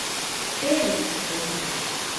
- Теве кушто улмаш!